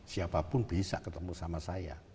siapapun bisa ketemu sama saya